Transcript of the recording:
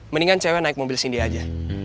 mendingan cewek naik mobil sindi aja